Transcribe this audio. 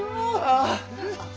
ああ！